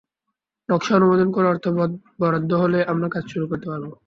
নকশা অনুমোদন করে অর্থ বরাদ্দ হলেই আমরা কাজ শুরু করতে পারব।